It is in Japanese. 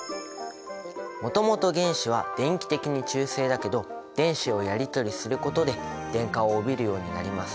もともと原子は電気的に中性だけど電子をやりとりすることで電荷を帯びるようになります。